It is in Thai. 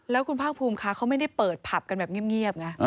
แล้วคุณภาคภูมิคะเขาไม่ได้เปิดผับกันแบบเงียบไง